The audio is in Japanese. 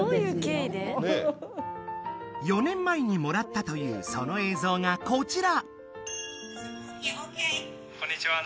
４年前にもらったというその映像がこちら！